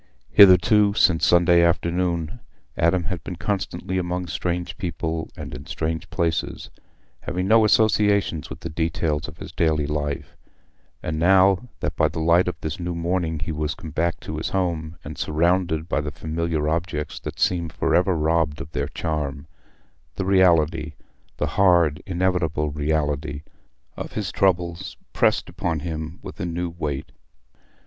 Hitherto, since Sunday afternoon, Adam had been constantly among strange people and in strange places, having no associations with the details of his daily life, and now that by the light of this new morning he was come back to his home and surrounded by the familiar objects that seemed for ever robbed of their charm, the reality—the hard, inevitable reality of his troubles pressed upon him with a new weight.